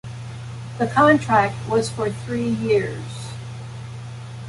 The contract was for three years.